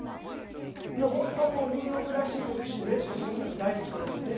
本当もうニューヨークらしいですしメットとにかく大好きなんですね。